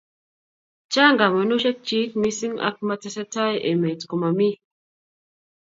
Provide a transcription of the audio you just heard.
Chang kamanushek chik mising ak matesetai emet komomi